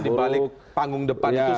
di balik panggung depan itu